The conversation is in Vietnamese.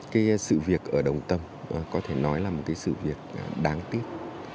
cái sự việc ở đồng tâm có thể nói là một cái sự việc đáng tiếc